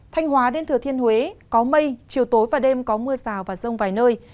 thanh hóa đến thừa thiên huế có mây chiều tối và đêm có mưa rào và rông vài nơi